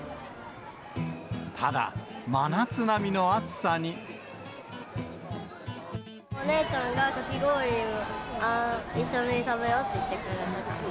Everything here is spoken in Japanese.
ただ、お姉ちゃんが、かき氷を一緒に食べようって言ってくれたから。